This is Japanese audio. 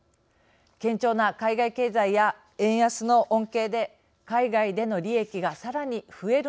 堅調な海外経済や円安の恩恵で海外での利益がさらに増えるのではないか。